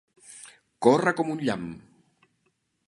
Córrer com un llamp.